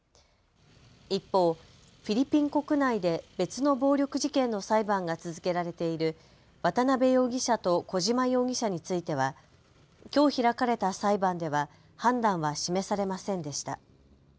一方、フィリピン国内で別の暴力事件の裁判が続けられている渡邉容疑者と小島容疑者についてはきょう開かれた裁判では判断は示されませんでした。